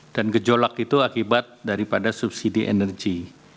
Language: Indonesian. dan gejolak itu akibat daripada subsidi energi